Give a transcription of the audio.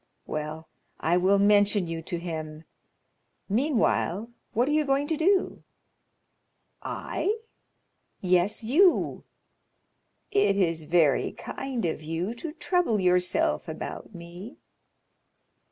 "Well, I will mention you to him. Meanwhile, what are you going to do?" "I?" "Yes, you." "It is very kind of you to trouble yourself about me."